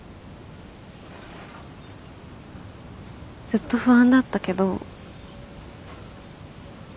ずっと不安だったけど。